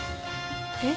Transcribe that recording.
えっ？